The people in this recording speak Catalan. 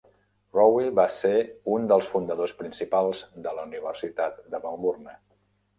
Rowe va ser un dels fundadors principals de la Universitat de Melbourne.